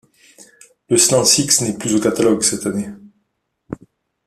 Le Slant Six n'est plus au catalogue cette année.